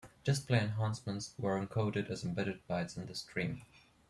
Display enhancements were encoded as embedded bytes in the stream.